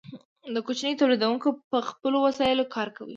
کوچني تولیدونکي په خپلو وسایلو کار کوي.